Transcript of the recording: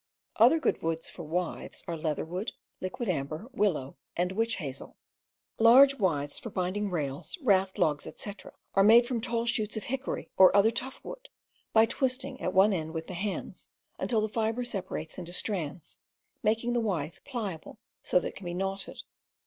Other good woods for withes are leatherwood, liquid ambar, willow, and witch hazel. Large withes for binding rails, raft logs, etc., are made from tall shoots of hickory or other tough wood, by twisting at one end with the hands until the fiber separates into strands, making the withe pliable so that it can be knotted.